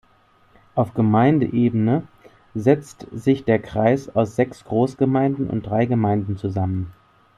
Auf Gemeindeebene setzt sich der Kreis aus sechs Großgemeinden und drei Gemeinden zusammen.